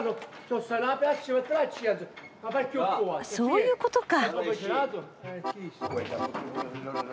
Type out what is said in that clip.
そういうことか。